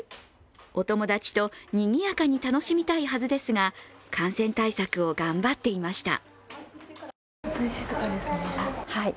お友達とにぎやかに楽しみたいはずですが、感染対策を頑張っていました。